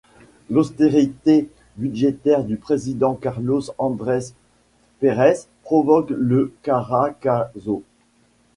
L’austérité budgétaire du président Carlos Andrés Pérez provoque le Caracazo.